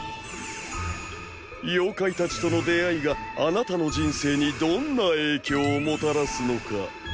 妖怪たちとの出会いがあなたの人生にどんな影響をもたらすのか。